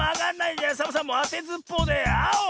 じゃあサボさんあてずっぽうであお！